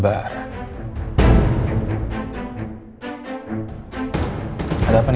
pertemanannya tidak kuncap